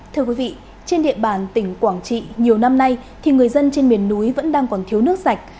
thưa quý vị trên địa bàn tỉnh quảng trị nhiều năm nay thì người dân trên miền núi vẫn đang còn thiếu nước sạch